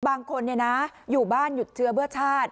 บางคนเนี่ยนะอยู่บ้านหยุดเชื้อเบื้อชาติ